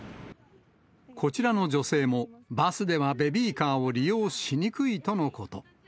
こちらの女性も、バスではベビーカーを利用しにくいとのこと。